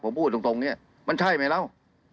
ผมพูดตรงนี้มันใช่ไหมแล้ว